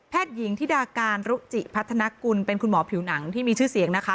หญิงธิดาการรุจิพัฒนากุลเป็นคุณหมอผิวหนังที่มีชื่อเสียงนะคะ